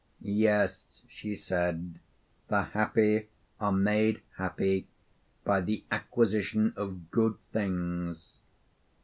'Yes,' she said, 'the happy are made happy by the acquisition of good things.